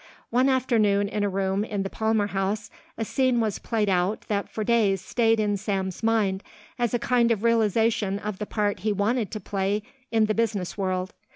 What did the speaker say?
One afternoon in a room in the Palmer House a scene was played out that for days stayed in Sam's mind as a kind of realisation of the part he wanted to play in the business world.